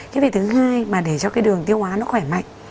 cái việc thứ hai mà để cho cái đường tiêu hóa nó khỏe mạnh